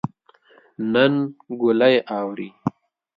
نن ګلۍ اوري